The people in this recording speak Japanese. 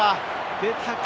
出たか？